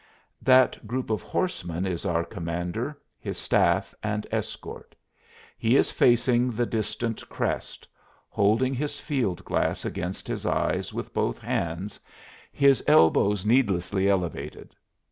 That group of horsemen is our commander, his staff and escort. He is facing the distant crest, holding his field glass against his eyes with both hands, his elbows needlessly elevated.